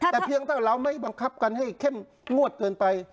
แต่เพียงถ้าเราไม่บังคับกันให้เข้มงวดเกินไป